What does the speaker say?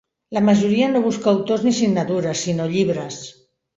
La majoria no busca autors ni signatures, sinó llibres.